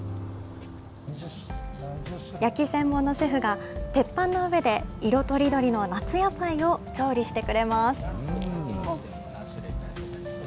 焼き専門のシェフが、鉄板の上で、色とりどりの夏野菜を調理してくれます。